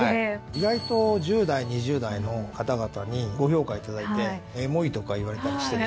意外と１０代２０代の方々にご評価いただいてエモいとか言われたりしてるんです。